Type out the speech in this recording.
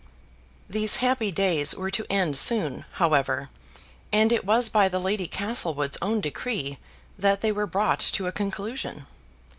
These happy days were to end soon, however; and it was by the Lady Castlewood's own decree that they were brought to a conclusion.